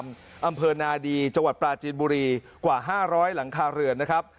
อำเภอนาดีจังหวัดปลาจีนบุรีกว่า๕๐๐หลังคาเรือนนะครับ